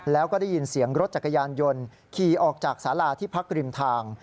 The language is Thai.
แล้วก็ได้ยินเสียงรถจักรยานยนต์ขี่ออกจากสาราที่พักริมทาง